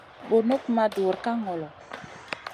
Bunuk ma dura ka ŋolo.